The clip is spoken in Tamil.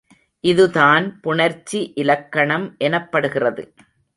இது தான் புணர்ச்சி இலக்கணம் எனப்படுகிறது.